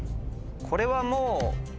これはもう。